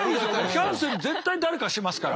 キャンセル絶対誰かしますから。